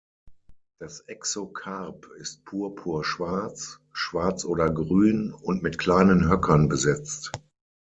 Das Exokarp ist purpur-schwarz, schwarz oder grün und mit kleinen Höckern besetzt.